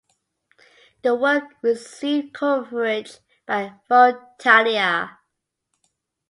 The work received coverage by Vogue Italia.